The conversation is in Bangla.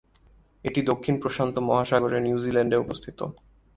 এটি দক্ষিণ প্রশান্ত মহাসাগরে নিউজিল্যান্ডে অবস্থিত।